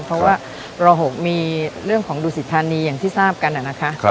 เพราะว่าร๖มีเรื่องของดูสิทธานีอย่างที่ทราบกันนะคะ